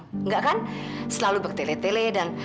enggak kan selalu bertele tele dan